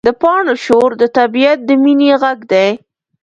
د پاڼو شور د طبیعت د مینې غږ دی.